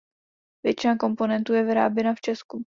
Většina komponentů je vyráběna v Česku.